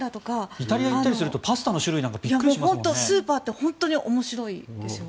イタリアに行ったりするとパスタの種類なんかびっくりしますよね。